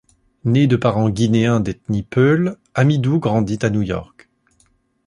Né de parents guinéens d'éthnie peul, Hamidou grandit à New York.